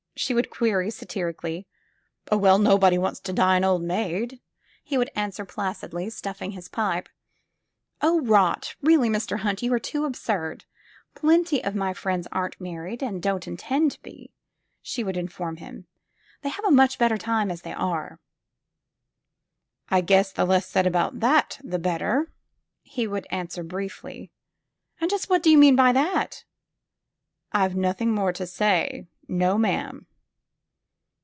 she would query satirically. *'0h, well, nobody wants to die an old maid," he would answer placidly, stuffing his pipe. *'0h, rot! Really, Mr. Hunt, you are too absurd! Plenty of my friends aren't married and don't intend to be," she would inform him. *'They have a much better time as they are!" I guess the less said about that the better," he would answer briefly. And just what do you mean by that?" I've nothing more to say. No, ma'am."